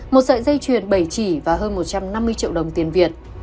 một sợi dây chuyền bảy chỉ và hơn một trăm năm mươi triệu đồng tiền việt